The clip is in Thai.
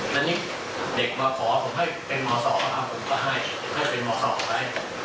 และนี่เด็กมาขอผมให้เป็นหมอสอบเขาทำผมก็ให้ให้เป็นหมอสอบไป